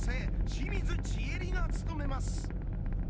清水ちえりが務めます